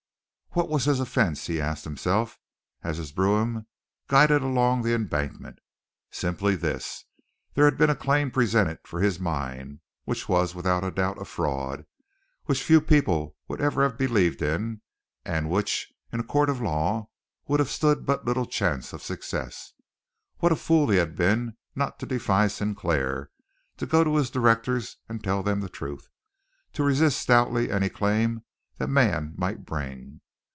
What was his offence, he asked himself, as his brougham glided along the Embankment. Simply this: there had been a claim presented for his mine, which was, without doubt, a fraud, which few people would ever have believed in, and which, in a court of law, would have stood but little chance of success. What a fool he had been not to defy Sinclair, to go to his directors and tell them the truth, to resist stoutly any claim the man might bring!